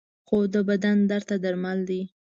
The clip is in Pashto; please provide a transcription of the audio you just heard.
خوب د بدن درد ته درمل دی